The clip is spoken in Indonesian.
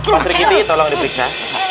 pak sri kiti tolong diperiksa